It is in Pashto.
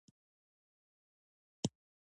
د سبزیجاتو سلاد ډیر سپک خواړه دي.